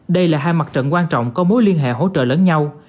đây là hai mặt trận quan trọng có mối liên hệ hỗ trợ lẫn nhau